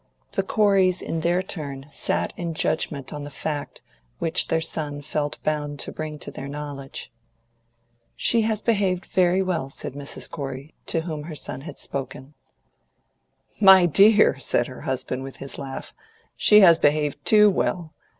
The Coreys in their turn sat in judgment on the fact which their son felt bound to bring to their knowledge. "She has behaved very well," said Mrs. Corey, to whom her son had spoken. "My dear," said her husband, with his laugh, "she has behaved TOO well.